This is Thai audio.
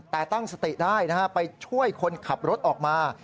แต่ตั้งสติได้นะฮะไปช่วยคนขับรถออกมา